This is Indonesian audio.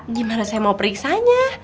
gimana saya mau periksanya